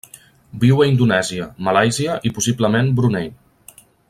Viu a Indonèsia, Malàisia i possiblement Brunei.